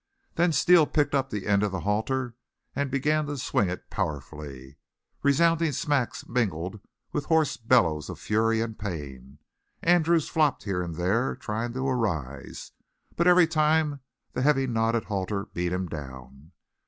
Then Steele picked up the end of the halter and began to swing it powerfully. Resounding smacks mingled with hoarse bellows of fury and pain. Andrews flopped here and there, trying to arise, but every time the heavy knotted halter beat him down.